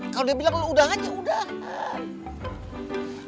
kalo dia bilang lu udahan ya udahan